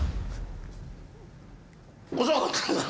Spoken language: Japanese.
遅かったな。